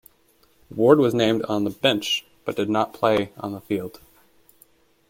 Ward was named on the bench, but did not play on the field.